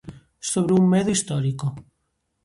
Sobre un medo histórico.